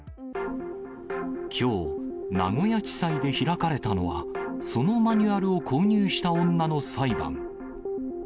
きょう、名古屋地裁で開かれたのは、そのマニュアルを購入した女の裁判。